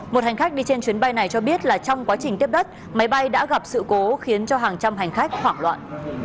một hành khách đi trên chuyến bay này cho biết là trong quá trình tiếp đất máy bay đã gặp sự cố khiến cho hàng trăm hành khách hoảng loạn